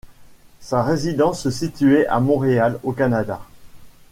Sa résidence se situait à Montréal au Canada.